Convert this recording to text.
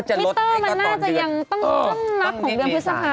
ใช่พี่เต้อมันน่าจะยังต้องรับของเดือนพฤษภาพไหม